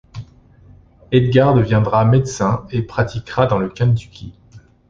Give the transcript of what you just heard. Edgar deviendra médecin et pratiquera dans le Kentucky.